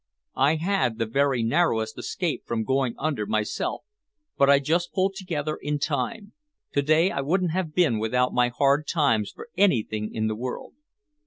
I had the very narrowest escape from going under myself, but I just pulled together in time. To day I wouldn't have been without my hard times for anything in the world."